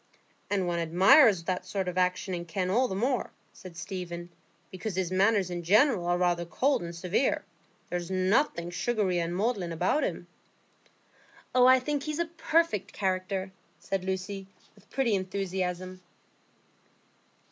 "And one admires that sort of action in Kenn all the more," said Stephen, "because his manners in general are rather cold and severe. There's nothing sugary and maudlin about him." "Oh, I think he's a perfect character!" said Lucy, with pretty enthusiasm.